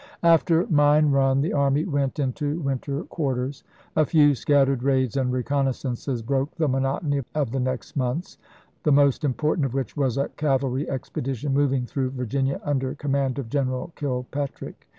After Mine Run the army went into winter quar ters. A few scattered raids and reconnaissances broke the monotony of the next months, the most important of which was a cavalry expedition mov ing through Virginia under command of General Kilpatrick.